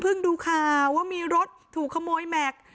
เพิ่งดูข่าวว่ามีรถถูกขโมยแมค